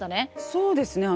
そうですね。